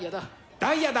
ダイヤだ。